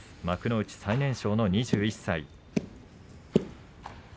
幕内で最年少の２１歳。